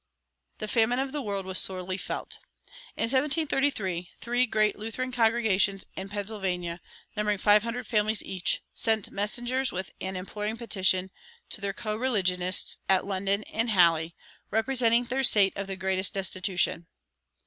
The famine of the word was sorely felt. In 1733 three great Lutheran congregations in Pennsylvania, numbering five hundred families each, sent messengers with an imploring petition to their coreligionists at London and Halle, representing their "state of the greatest destitution."